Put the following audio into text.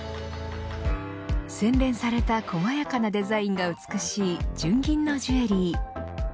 洗練された細やかなデザインが美しい純銀のジュエリー。